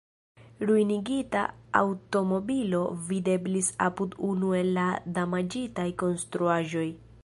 Ruinigita aŭtomobilo videblis apud unu el la damaĝitaj konstruaĵoj.